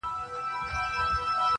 هغومره اوږدیږي -